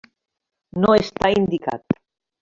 No està indicat.